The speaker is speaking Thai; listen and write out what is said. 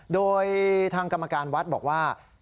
โดยทางกรรมการวัดบอกว่า